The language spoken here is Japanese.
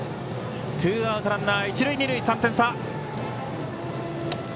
ツーアウトランナー、一塁二塁３点差。